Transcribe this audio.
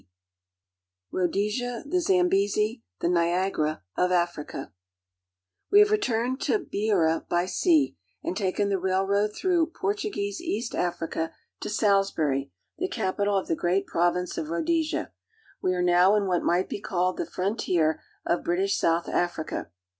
43. RHODESIA — THE ZAMBEZI— THE NIAGARA OF AFRICA WE have returned to Beira by sea and taken the road through Portuguese East Africa to Salisbm the capital of the great province of Rhodesia. We now in what might be called the frontier of British South Africa.